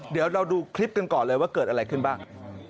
เดี๋ยวเราดูคลิปกันก่อนเลยว่าเกิดอะไรขึ้นบ้าง